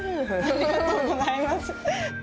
ありがとうございます。